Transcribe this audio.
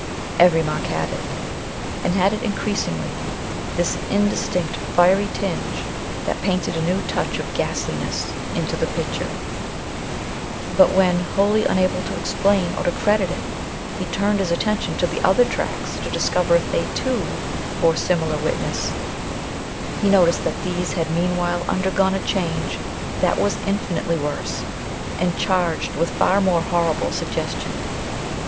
Every mark had it, and had it increasingly this indistinct fiery tinge that painted a new touch of ghastliness into the picture. But when, wholly unable to explain or to credit it, he turned his attention to the other tracks to discover if they, too, bore similar witness, he noticed that these had meanwhile undergone a change that was infinitely worse, and charged with far more horrible suggestion.